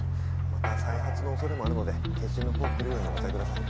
また再発の恐れもあるので検診の方来るようにお伝えください。